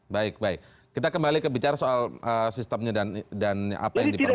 baik baik kita kembali ke bicara soal sistemnya dan apa yang diperlukan